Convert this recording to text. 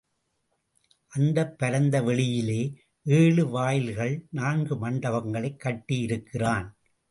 அந்தப் பரந்த வெளியிலே ஏழு வாயில்கள், நான்கு மண்டபங்களைக் கட்டியிருக்கிறான்.